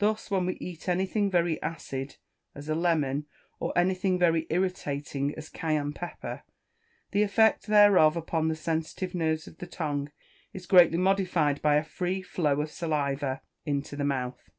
Thus, when we eat anything very acid, as a lemon, or anything very irritating, as Cayenne pepper, the effect thereof upon the sensitive nerves of the tongue is greatly modified by a free flow of saliva into the mouth.